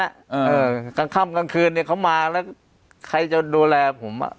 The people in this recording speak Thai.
เออกลางค่ำกลางคืนเนี้ยเขามาแล้วใครจะดูแลผมอ่ะ